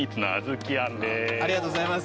ありがとうございます。